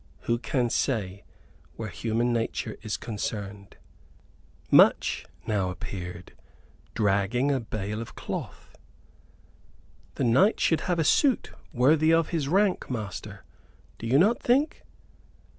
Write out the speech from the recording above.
Who can say, where human nature is concerned?" Much now appeared, dragging a bale of cloth. "The knight should have a suit worthy of his rank, master, do you not think?"